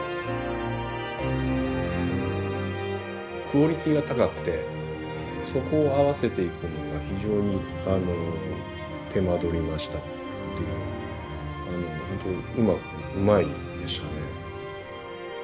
クオリティーが高くてそこを合わせていくのが非常に手間取りましたっていうのはあのほんとうまくうまいでしたね。